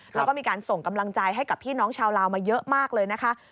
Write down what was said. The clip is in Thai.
แล้วก็มีการส่งกำลังใจให้กับพี่น้องชาวลาวมาเยอะมากเลยนะคะ